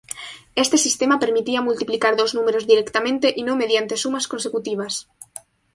Este sistema permitía multiplicar dos números directamente, y no mediante sumas consecutivas.